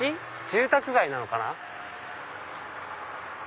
住宅街なのかな？